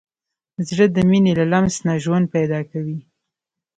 زړه د مینې له لمس نه ژوند پیدا کوي.